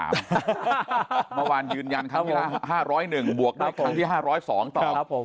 เมื่อวานยืนยันครั้งที่ละ๕๐๑บวกได้ครั้งที่๕๐๒ต่อ